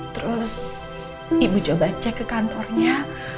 terus ibu coba cek ke kantornya